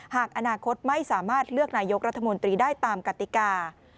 หากอนาคตไม่สามารถเลือกนายกรัฐมนตรีได้ตามกติกา